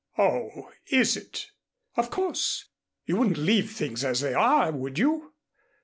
"Oh, is it?" "Of course. You wouldn't leave things as they are, would you?